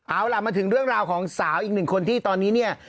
เอาล่ะมาถึงเรื่องราวของสาวอีกหนึ่งคนที่ตอนนี้เนี่ย